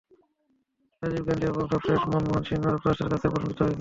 রাজীব গান্ধী এবং সবশেষ মনমোহন সিংও যুক্তরাষ্ট্রের কাছ থেকে প্রশংসিত হয়েছেন।